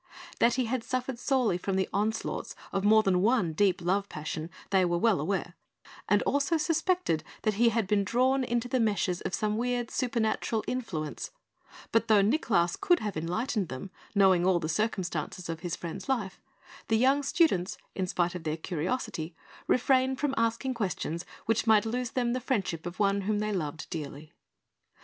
That he had suffered sorely from the onslaughts of more than one deep love passion, they were well aware, and also suspected that he had been drawn into the meshes of some weird supernatural influence; but though Nicklaus could have enlightened them knowing all the circumstances of his friend's life the young students, in spite of their curiosity, refrained from asking questions which might lose them the friendship of one whom they loved dearly.